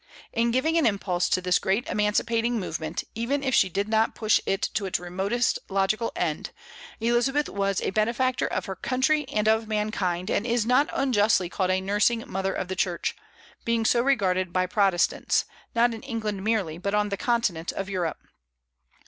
In giving an impulse to this great emancipating movement, even if she did not push it to its remote logical end, Elizabeth was a benefactor of her country and of mankind, and is not unjustly called a nursing mother of the Church, being so regarded by Protestants, not in England merely, but on the Continent of Europe.